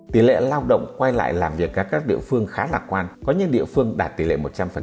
tỷ lệ lao động quay lại làm việc ở các địa phương khá lạc quan có những địa phương đạt tỷ lệ một trăm linh